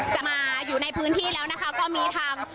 จะมาอยู่ในพื้นที่แล้วนะคะก็มีทาง